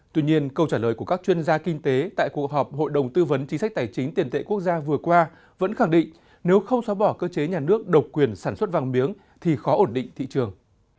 tuy nhiên câu trả lời của các chuyên gia kinh tế tại cuộc họp hội đồng tư vấn chính sách tài chính tiền tệ quốc gia vừa qua vẫn khẳng định nếu không xóa bỏ cơ chế nhà nước độc quyền sản xuất vàng miếng thì khó ổn định thị trường